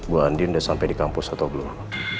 bu andin udah sampai di kampus atau belum